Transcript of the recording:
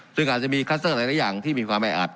ซึ่งอาจจะมีคลัสเตอร์หลายอย่างที่มีความแออัด